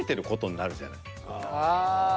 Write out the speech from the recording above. ああ。